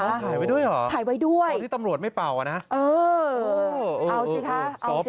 ถ่ายไว้ด้วยเหรอโทษที่ตำรวจไม่เป่านะเออเอาสิค่ะเอาสิค่ะ